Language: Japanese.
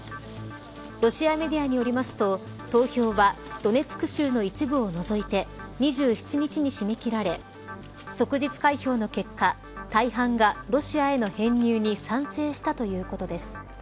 ロシアメディアによりますと投票はドネツク州の一部を除いて２７日に締め切られ即日開票の結果、大半がロシアへの編入に賛成したということです。